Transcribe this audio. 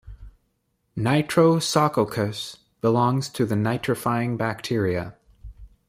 "Nitrosococcus" belongs to the nitrifying bacteria.